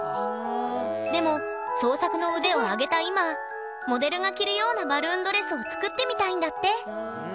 でも創作の腕を上げた今モデルが着るようなバルーンドレスを作ってみたいんだって。